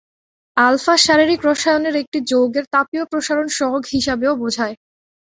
Alpha শারীরিক রসায়নের একটি যৌগের তাপীয় প্রসারণ সহগ হিসাবেও বোঝায়।